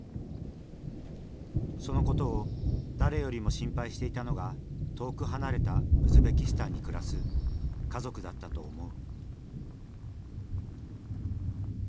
そのことを誰よりも心配していたのが遠く離れたウズベキスタンに暮らす家族だったと思う。